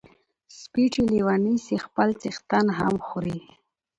سپي چی لیوني سی خپل څښتن هم خوري .